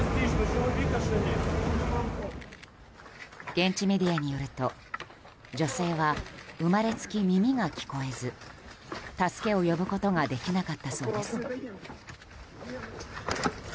現地メディアによると女性は生まれつき耳が聞こえず助けを呼ぶことができなかったそうです。